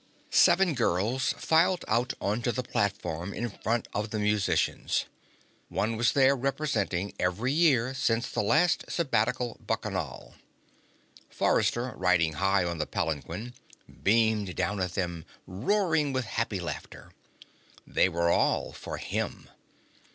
Seven girls filed out onto the platform in front of the musicians. One was there representing every year since the last Sabbatical Bacchanal. Forrester, riding high on the palanquin, beamed down at them, roaring with happy laughter. They were all for him.